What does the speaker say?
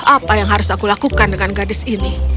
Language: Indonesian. apa yang harus aku lakukan dengan gadis ini